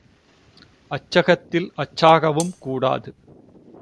அச்சகத்தில் அச்சாகவும் கூடாது.